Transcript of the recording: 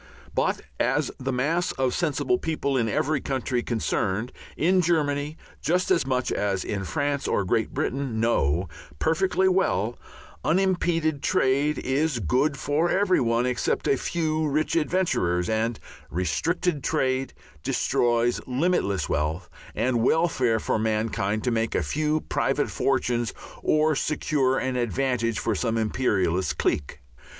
But as the mass of sensible people in every country concerned, in Germany just as much as in France or Great Britain, know perfectly well, unimpeded trade is good for every one except a few rich adventurers, and restricted trade destroys limitless wealth and welfare for mankind to make a few private fortunes or secure an advantage for some imperialist clique.